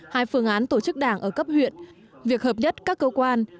hai phương án tổ chức đảng ở cấp huyện việc hợp nhất các cơ quan